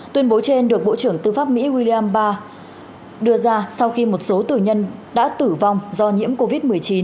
tuyên bố trên được bộ trưởng tư pháp mỹ wim bar đưa ra sau khi một số tù nhân đã tử vong do nhiễm covid một mươi chín